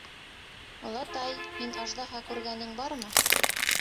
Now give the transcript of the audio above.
— Олатай, һин аждаһа күргәнең бармы?